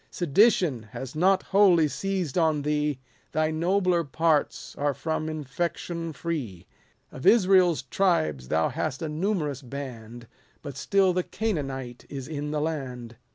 Sedition has not wholly seized on thee, Thy nobler parts are from infection free. Of Israel's tribes thou hast a numerous band. But still the Canaanite is in the land.